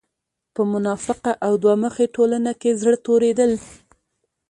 په منافقه او دوه مخې ټولنه کې زړۀ توريدل